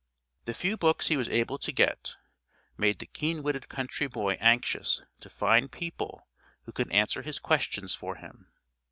The few books he was able to get made the keen witted country boy anxious to find people who could answer his questions for him.